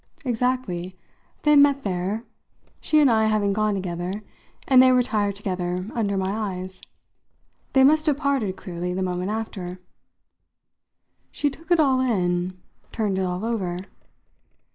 "Exactly. They met there she and I having gone together; and they retired together under my eyes. They must have parted, clearly, the moment after." She took it all in, turned it all over.